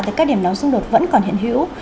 tại các điểm nóng xung đột vẫn còn hiện hữu